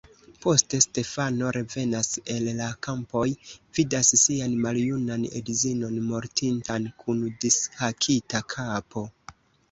Poste Stefano revenas el la kampoj, vidas sian maljunan edzinon mortintan, kun dishakita kapo.